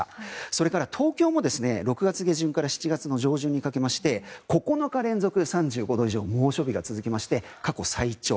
それから東京も６月下旬から７月上旬にかけまして９日連続３５度以上の猛暑日が続きまして過去最長。